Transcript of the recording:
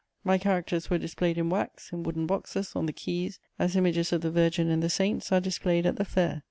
My characters were displayed in wax, in wooden boxes, on the quays, as images of the Virgin and the saints are displayed at the fair.